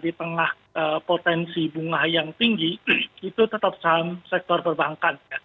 di tengah potensi bunga yang tinggi itu tetap saham sektor perbankan ya